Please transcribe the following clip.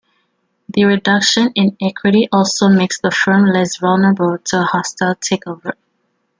The reduction in equity also makes the firm less vulnerable to a hostile takeover.